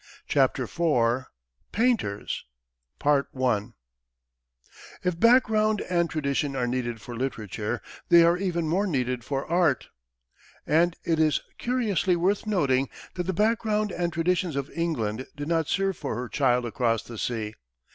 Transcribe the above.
CHAPTER IV PAINTERS If background and tradition are needed for literature, they are even more needed for art, and it is curiously worth noting that the background and traditions of England did not serve for her child across the sea.